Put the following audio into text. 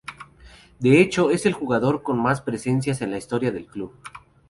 De hecho, es el jugador con más presencias en la historia del club.